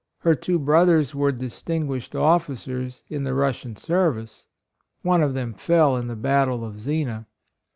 Her two brothers were distinguish ed officers in the Russian service; 18 HIS MOTHER, one of them fell in the battle of Zena.